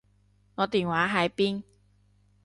我電話喺邊？